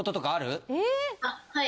はい。